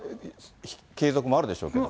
継続もあるでしょうけど。